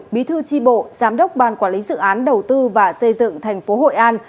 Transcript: bí thư tri bộ giám đốc ban quản lý dự án đầu tư và xây dựng thành phố hội an